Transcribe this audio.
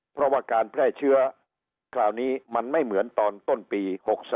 เพราะว่าการแพร่เชื้อคราวนี้มันไม่เหมือนตอนต้นปี๖๓